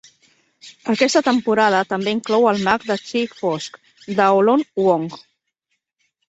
Aquesta temporada també inclou el Mag de Chi Fosc, Daolon Wong.